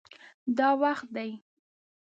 دا وخت دی